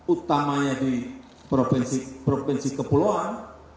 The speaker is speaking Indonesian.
utamanya di provinsi provinsi kepulauan